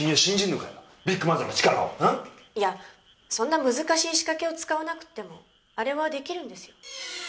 いやそんな難しい仕掛けを使わなくてもあれは出来るんですよ。